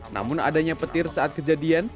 namun adanya petir saat kejadian